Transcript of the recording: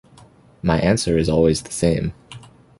My answer is always the same.